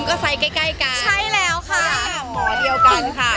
ก็เลยออกมาหน้าคล้ายกัน